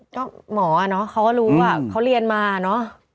ก็หมอเนอะเขาก็รู้ว่าเขาเรียนมาเนอะ